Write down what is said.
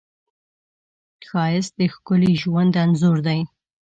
ښایست د ښکلي ژوند انځور دی